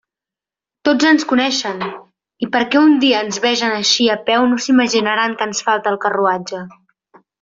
Tots ens coneixen, i perquè un dia ens vegen eixir a peu no s'imaginaran que ens falta el carruatge.